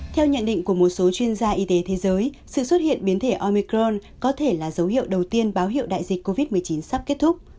theo nhận định của một số chuyên gia y tế thế giới sự xuất hiện biến thể omicron có thể là dấu hiệu đầu tiên báo hiệu đại dịch covid một mươi chín sắp kết thúc